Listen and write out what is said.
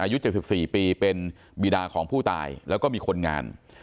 อายุ๗๔ปีเป็นบีดาของผู้ตายแล้วก็มีคนงาน